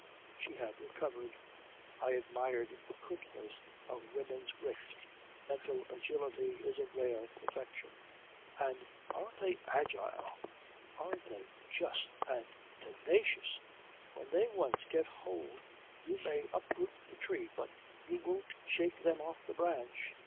She had recovered. I admired the quickness of women's wit. Mental agility is a rare perfection. And aren't they agile! Aren't they just! And tenacious! When they once get hold you may uproot the tree but you won't shake them off the branch.